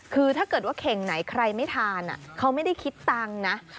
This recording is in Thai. คือถ้าเกิดว่าเข่งไหนใครไม่ทานเขาไม่ได้คิดตังค์นะ